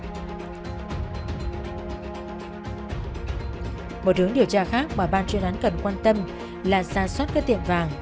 và các tiệm văn hóa một hướng điều tra khác mà ban chuyên án cần quan tâm là xa xoát các tiệm vàng